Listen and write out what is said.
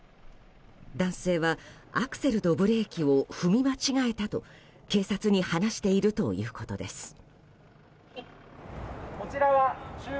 男性はアクセルとブレーキを踏み間違えたと警察に話しているということです。